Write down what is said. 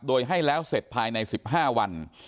โดยให้แล้วเสร็จภายใน๑๕วัน